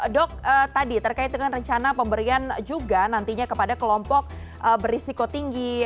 dok tadi terkait dengan rencana pemberian juga nantinya kepada kelompok berisiko tinggi